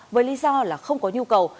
với lý do là không có nhu cầu